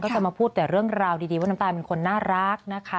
จะมาพูดแต่เรื่องราวดีว่าน้ำตาลเป็นคนน่ารักนะคะ